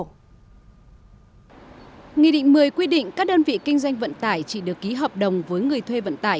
nghị định một mươi quy định các đơn vị kinh doanh vận tải chỉ được ký hợp đồng với người thuê vận tải